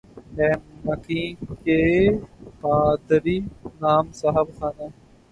ہے مکیں کی پا داری نام صاحب خانہ